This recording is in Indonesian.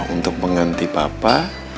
untuk mengganti papa